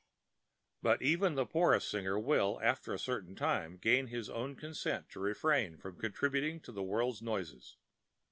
But even the poorest singer will, after a certain time, gain his own consent to refrain from contributing to the world's noises.